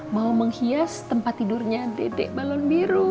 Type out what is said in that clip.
mau menghias tempat tidurnya dedek balon biru